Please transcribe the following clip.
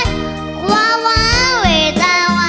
ร้องได้ยกกำลังซ่าคือการแรกมัดรุ่นเล็กของทีมเด็กเสียงดีจำนวนสองทีม